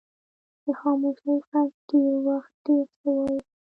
د خاموشۍ ږغ ډېر وخت ډیر څه وایي.